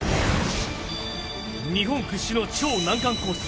日本屈指の超難関コース